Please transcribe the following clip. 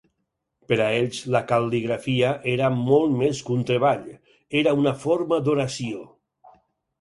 Per a ells, la cal·ligrafia era molt més que un treball: era una forma d'oració.